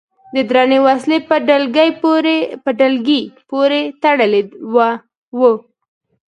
د درنې وسلې په ډلګۍ پورې تړلي و.